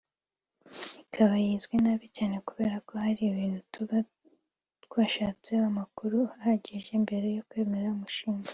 Ikaba yizwe nabi cyangwa kubera ko hari ibintu tuba twashatseho amakuru ahagije mbere yo kwemera umushinga